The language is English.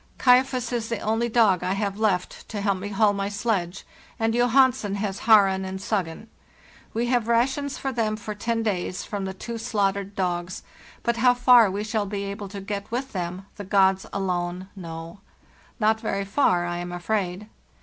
"* Kaifas' is the only dog I have left to help me haul my sledge, and Johansen has ' Haren' and 'Suggen.' We have rations for them for ten days from the two slaugh tered dogs, but how far we shall be able to get with them the gods alone know. Not very far, I am afraid.